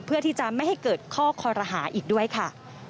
เพื่อที่จะไม่ให้เกิดข้อคอรหาอีกด้วยค่ะ